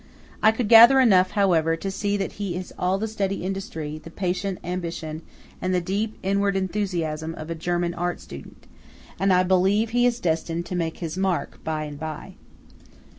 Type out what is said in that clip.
I gather enough, however, to see that he has all the steady industry, the patient ambition, and the deep inward enthusiasm of a German art student; and I believe that he is destined to make his mark by and by.